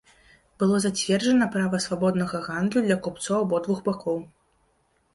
Было зацверджана права свабоднага гандлю для купцоў абодвух бакоў.